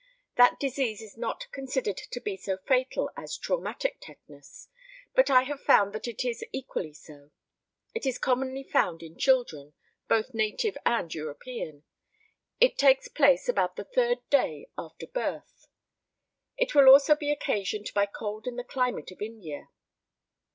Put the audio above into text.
That disease is not considered to be so fatal as traumatic tetanus, but I have found that it is equally so. It is commonly found in children both native and European. It takes place about the third day after birth. It will also be occasioned by cold in the climate of India.